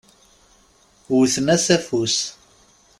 Wwten-as afus.